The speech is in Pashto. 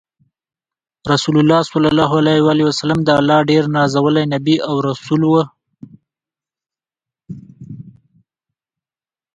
رسول الله ص د الله ډیر نازولی نبی او رسول وو۔